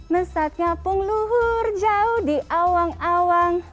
mesat ngapung luhur jauh di awang awang